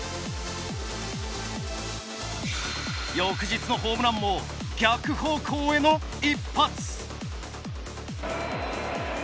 翌日のホームランも逆方向への一発。